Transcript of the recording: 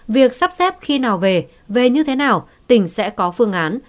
việc sắp xếp khi nào về như thế nào tỉnh sẽ có phương án